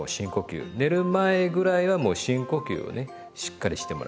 寝る前ぐらいはもう深呼吸をねしっかりしてもらう。